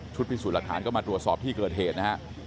พิสูจน์หลักฐานก็มาตรวจสอบที่เกิดเหตุนะฮะ